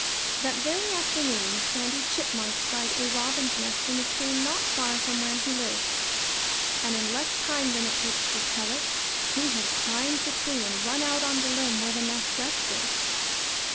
That very afternoon Sandy Chipmunk spied a robin's nest in a tree not far from where he lived. And in less time than it takes to tell it, he had climbed the tree and run out on the limb where the nest rested.